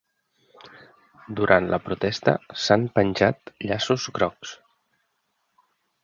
Durant la protesta s’han penjat llaços grocs.